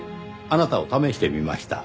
あなたを試してみました。